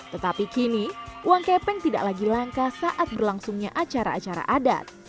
tetapi kini uang kepeng tidak lagi langka saat berlangsungnya acara acara adat